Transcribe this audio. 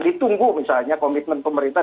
ditunggu misalnya komitmen pemerintah